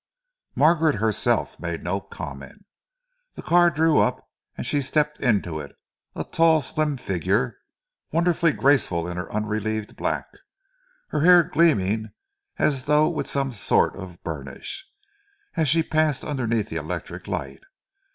Margaret herself made no comment. The car drew up and she stepped into it a tall, slim figure, wonderfully graceful in her unrelieved black, her hair gleaming as though with some sort of burnish, as she passed underneath the electric light.